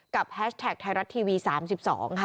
กับห้าชแทคไทรัตทีวี๓๒ค่ะ